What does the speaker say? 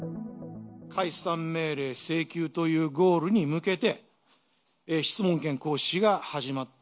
解散命令請求というゴールに向けて、質問権行使が始まった。